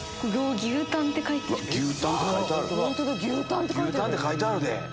牛タンって書いてあるで。